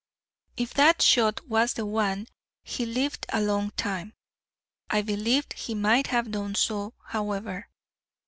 "If that shot was the one, he lived a long time. I believe he might have done so, however.